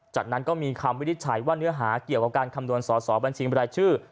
จากนั้นก็มีคำวินิจฉัยว่าเนื้อหาเกี่ยวกับการคำนวณสอสอบัญชีบรายชื่อ